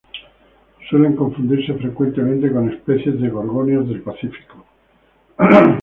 Suelen confundirse frecuentemente con especies de gorgonias del Pacífico.